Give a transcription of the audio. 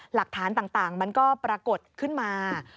หลักฐานต่างมันก็ปรากฏขึ้นมา